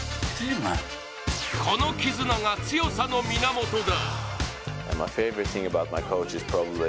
この絆が強さの源だ。